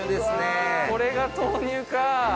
うわこれが豆乳か。